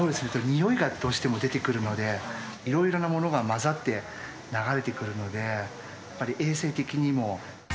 においがどうしても出てくるので、いろいろなものが混ざって、流れてくるので、やっぱり衛生的にも。